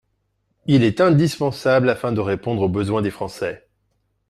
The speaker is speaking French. Il est indispensable afin de répondre aux besoins des Français.